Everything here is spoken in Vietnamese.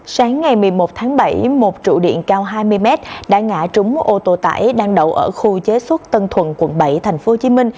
sáng ngày một mươi một tháng bảy một trụ điện cao hai mươi m đã ngã trúng ô tô tải đang đậu ở khu chế xuất tân thuận quận bảy tp hcm